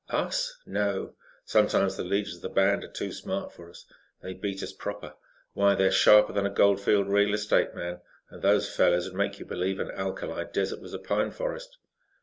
"Us? No. Sometimes the leaders of the band are too smart for us. They beat us proper. Why, they're sharper than a Goldfield real estate man, and those fellows would make you believe an alkali desert was a pine forest."